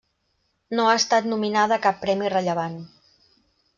No ha estat nominada a cap premi rellevant.